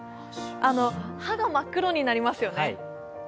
歯が真っ黒になりますよね。